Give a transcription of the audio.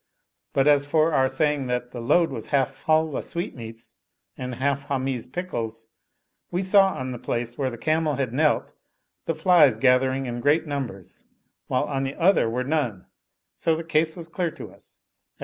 But as for our saying that the load was half Halwa sweetmeats and half Hamiz pickles, we saw on the place where the camel had knelt the flies gathering in great numbers while on the other were none: so the case was clear to us (as.